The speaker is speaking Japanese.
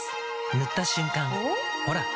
塗った瞬間おっ？